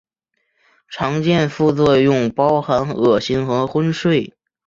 常见副作用包含恶心和昏睡。